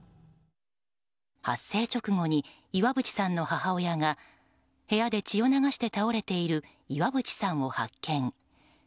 発生直後に岩渕さんの母親が部屋で血を流して倒れている岩渕さんを発見。